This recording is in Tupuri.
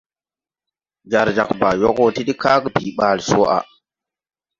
Jar jag Baa yog wo ti de kage bii ɓaale swaʼa.